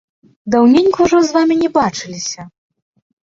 Даўненька ўжо з вамі не бачыліся!